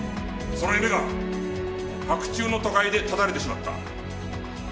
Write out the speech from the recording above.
その夢が白昼の都会で絶たれてしまった。